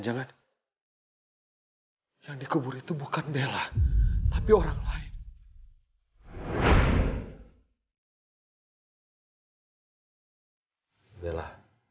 aku gak pernah membeli sepatu seperti ini buat bella